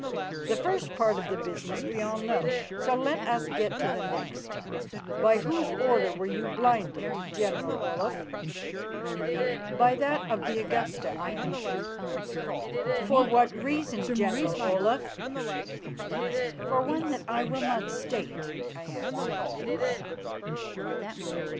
The first part of the business we all know, so let us get to the next. By whose order were you blinded, General Olaf?" "By that of the Augusta," I answered. "For what reason, General Olaf?" "For one that I will not state," I answered.